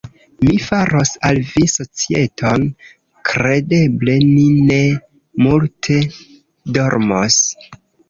Mi faros al vi societon: kredeble ni ne multe dormos.